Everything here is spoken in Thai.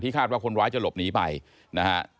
คาดว่าคนร้ายจะหลบหนีไปนะฮะ